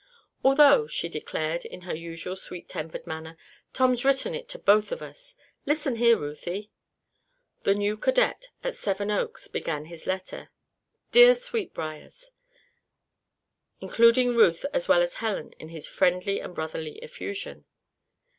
"Although," she declared, in her usual sweet tempered manner, "Tom's written it to both of us. Listen here, Ruthie!" The new cadet at Seven Oaks began his letter: "Dead [Transcriber's note: Dear?] Sweetbriars," including Ruth as well as Helen in his friendly and brotherly effusion.